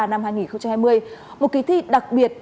năm hai nghìn hai mươi một kỳ thi đặc biệt